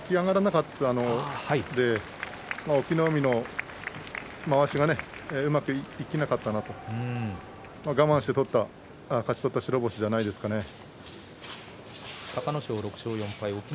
なので隠岐の海のまわしがうまく生きなかったんだと我慢して勝ち取った白星じゃないですかね、隆の勝。